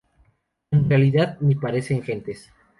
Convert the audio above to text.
En realidad, ni parecen gentes.